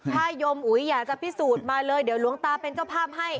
ถ้ายมอุ๋ยอยากจะพิสูจน์มาเลยเดี๋ยวหลวงตาเป็นเจ้าภาพให้